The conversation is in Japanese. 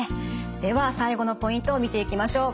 では最後のポイントを見ていきましょう。